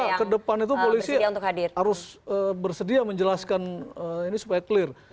saya kira kedepan itu polisi harus bersedia menjelaskan ini supaya clear